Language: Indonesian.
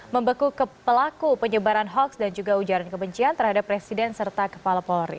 membeku pelaku penyebaran hoaks dan juga ujaran kebencian terhadap presiden serta kepala polri